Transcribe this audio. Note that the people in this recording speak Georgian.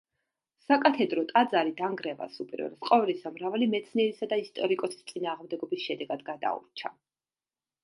საკათედრო ტაძარი დანგრევას, უპირველეს ყოვლისა, მრავალი მეცნიერისა და ისტორიკოსის წინააღმდეგობის შედეგად გადაურჩა.